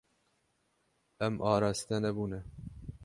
Em araste nebûne.